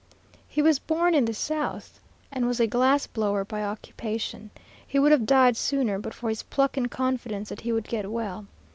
"He was born in the South, and was a glass blower by occupation. He would have died sooner, but for his pluck and confidence that he would get well.